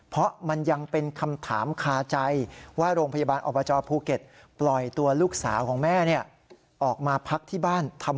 เพราะมันยังเป็นคำถามคาใจว่า